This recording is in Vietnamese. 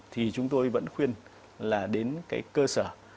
thì chúng tôi vẫn khuyên là đến cái cơ sở